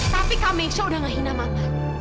tapi kak mesya udah gak hina mama